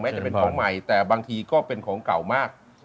จะเป็นของใหม่แต่บางทีก็เป็นของเก่ามาก